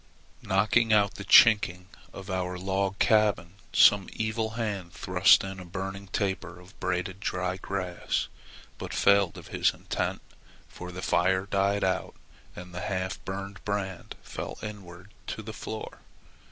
"Knocking out the chinking of our log cabin, some evil hand thrust in a burning taper of braided dry grass, but failed of his intent, for the fire died out and the half burned brand fell inward to the floor.